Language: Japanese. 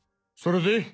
それで？